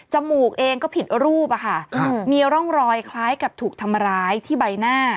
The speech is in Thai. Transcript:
มูกเองก็ผิดรูปอะค่ะมีร่องรอยคล้ายกับถูกทำร้ายที่ใบหน้า